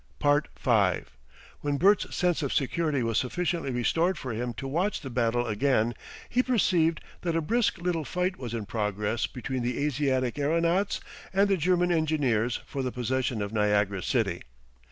5 When Bert's sense of security was sufficiently restored for him to watch the battle again, he perceived that a brisk little fight was in progress between the Asiatic aeronauts and the German engineers for the possession of Niagara city.